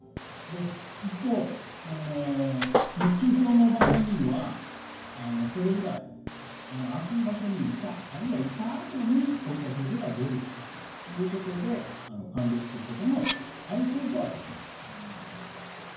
一方、熱中症の場合にはそれ以外に暑い場所にいたあるいはいたあとにこういう症状が出るということで判別することがある程度できます。